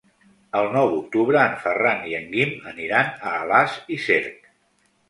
El nou d'octubre en Ferran i en Guim aniran a Alàs i Cerc.